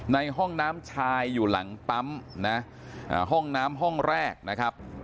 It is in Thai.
ในห้องน้ำชายอยู่หลังปั๊มนะห้องน้ำห้องแรกนะครับ